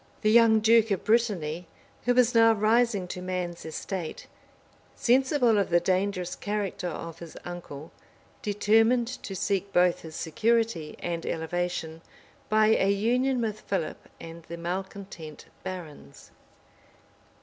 {1203.} The young duke of Brittany, who was now rising to man's estate, sensible of the dangerous character of his uncle, determined to seek both his security and elevation by a union with Philip and the malecontent barons.